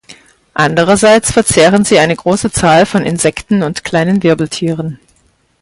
Andererseits verzehren sie eine große Zahl von Insekten und kleinen Wirbeltieren.